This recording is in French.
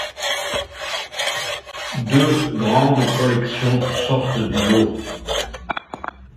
Deux grandes collections sortent du lot.